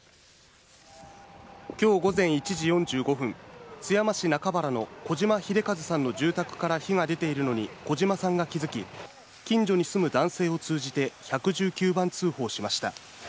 きょう午前１時４５分、津山市中原の児島秀一さんの住宅から火が出ているのに児島さんが気付き、近所に住む男性を通じて１１９番通報しました。